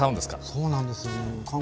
そうなんですか？